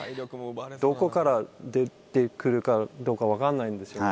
どこから出てくるかどうか分からないんですね。